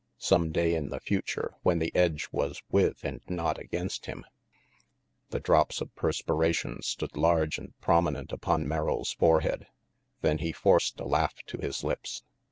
Some day in the future when the edge was with and not against him. The drops of perspiration stood large and prom inent upon Merrill's forehead. Then he forced a laugh to his lips.